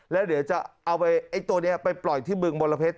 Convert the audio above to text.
แล้วเดี๋ยวจะเอาไอ้ตัวนี้ไปปล่อยที่บึงมลเพชร